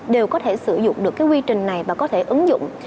đều có thể sử dụng được cái quy trình này và có thể ứng dụng